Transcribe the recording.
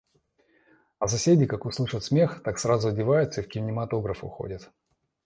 А соседи, как услышат смех, так сразу одеваются и в кинематограф уходят.